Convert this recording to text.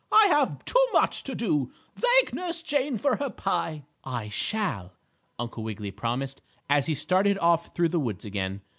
"I have too much to do. Thank Nurse Jane for her pie." "I shall," Uncle Wiggily promised, as he started off through the woods again.